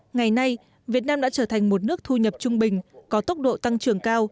ngày nay việt nam đã trở thành một nước thu nhập trung bình có tốc độ tăng trưởng cao